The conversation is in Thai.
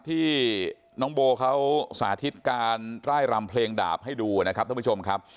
ที่น้องโบเขาสาธิตการไล่รำเพลงดาบให้ดูนะครับท่านผู้ชมครับ